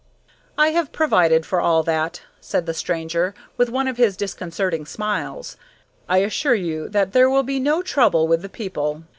"I have provided for all that," said the stranger, with one of his disconcerting smiles. "I assure you that there will be no trouble with the people.